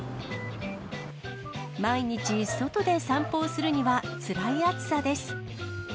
毎日外で散歩をするにはつらい暑さです。